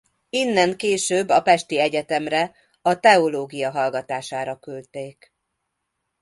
Innen később a pesti egyetemre a teológia hallgatására küldték.